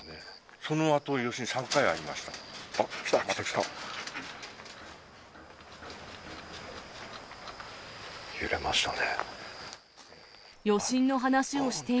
そのあと余震３回ありました。